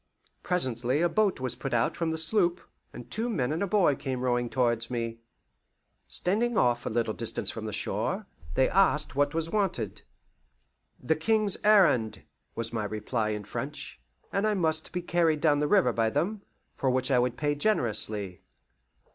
Presently a boat was put out from the sloop, and two men and a boy came rowing towards me. Standing off a little distance from the shore, they asked what was wanted. "The King's errand," was my reply in French, and I must be carried down the river by them, for which I would pay generously.